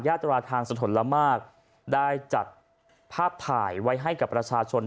ตราทางสะทนละมากได้จัดภาพถ่ายไว้ให้กับประชาชน